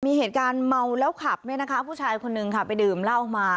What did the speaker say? มีเหตุการณ์เมาแล้วขับเนี่ยนะคะผู้ชายคนนึงค่ะไปดื่มเหล้ามา